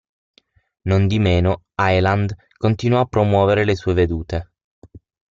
Nondimeno, Ireland continuò a promuovere le sue vedute.